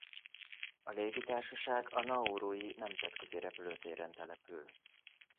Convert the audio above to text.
A légitársaság a Naurui nemzetközi repülőtéren települ.